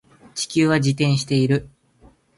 地球は自転している